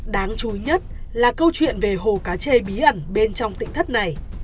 đáng chú ý nhất là câu chuyện về hồ cá chê bí ẩn bên trong tỉnh thất này